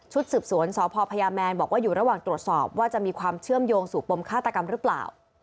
สืบสวนสพพยาแมนบอกว่าอยู่ระหว่างตรวจสอบว่าจะมีความเชื่อมโยงสู่ปมฆาตกรรมหรือเปล่า